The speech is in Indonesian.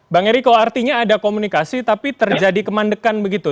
bang eriko artinya ada komunikasi tapi terjadi kemandekan begitu